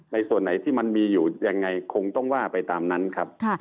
ส่วนไหนที่มันมีอยู่ยังไงคงต้องว่าไปตามนั้นครับ